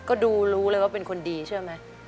ก็ดูรู้เลยว่าเป็นคนดีเชื่อไหม